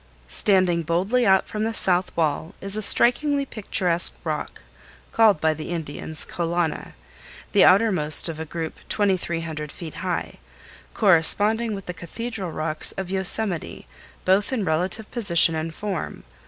Standing boldly out from the south wall is a strikingly picturesque rock called by the Indians, Kolana, the outermost of a group 2300 feet high, corresponding with the Cathedral Rocks of Yosemite both in relative position and form.